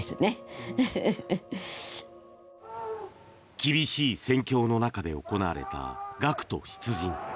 厳しい戦況の中で行われた学徒出陣。